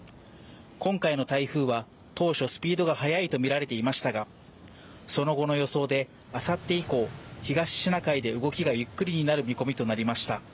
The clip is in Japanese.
今回の台風は当初、スピードが速いとみられていましたがその後の予想であさって以降東シナ海で動きがゆっくりになる見込みとなりました。